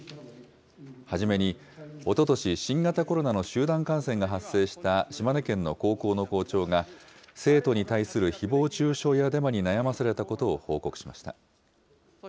初めに、おととし、新型コロナの集団感染が発生した島根県の高校の校長が、生徒に対するひぼう中傷やデマに悩まされたことを報告しました。